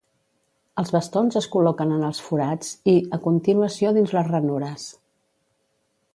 Els bastons es col·loquen en els forats i, a continuació dins les ranures.